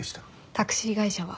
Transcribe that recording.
タクシー会社は？